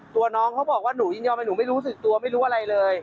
ตัวน้องเขาบอกว่าหนูยินยอมแต่หนูไม่รู้สึกตัวไม่รู้อะไรเลย